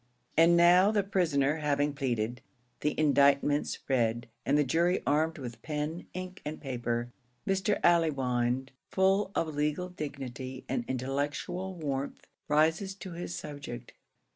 And now the prisoner having pleaded, the indictments read, and the jury armed with pen, ink, and paper, Mr. Allewinde, full of legal dignity and intellectual warmth, rises to his subject.